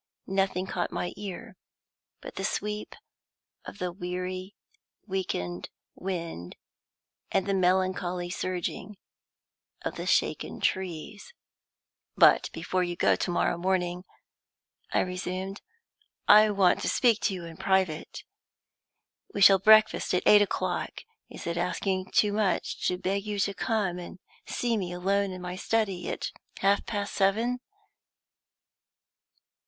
Nothing caught my ear but the sweep of the weary weakened wind and the melancholy surging of the shaken trees. "But, before you go to morrow morning," I resumed, "I want to speak to you in private. We shall breakfast at eight o'clock. Is it asking too much to beg you to come and see me alone in my study at half past seven?"